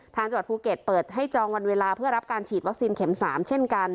จังหวัดภูเก็ตเปิดให้จองวันเวลาเพื่อรับการฉีดวัคซีนเข็ม๓เช่นกัน